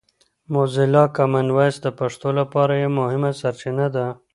موزیلا کامن وایس د پښتو لپاره یوه مهمه سرچینه ده.